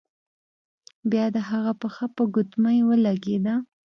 بیا د هغه پښه په ګوتمۍ ولګیده.